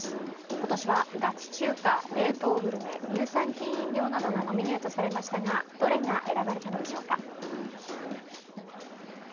今年はガチ中華、冷凍グルメ乳酸菌飲料などがノミネートされましたがどれが選ばれたのでしょうか。